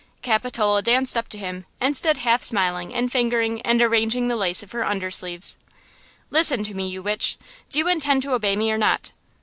Capitola danced up to him and stood half smiling and fingering and arranging the lace of her under sleeves. "Listen to me, you witch! Do you intend to obey me or not?"